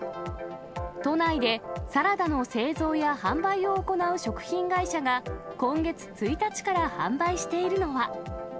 都内でサラダの製造や販売を行う食品会社が、今月１日から販売しているのは。